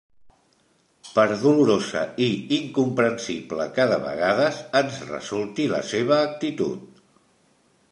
Per dolorosa i incomprensible que de vegades ens resulti la seva actitud.